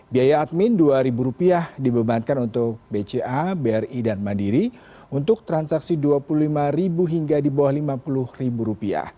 biaya admin rp dua dibebankan untuk bca bri dan mandiri untuk transaksi rp dua puluh lima hingga di bawah rp lima puluh